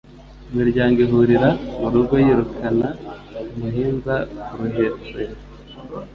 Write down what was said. Iminyago ihurira mu rugo yirukana umuhinza ku Ruhetero